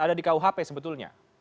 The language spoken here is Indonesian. ada di kuhp sebetulnya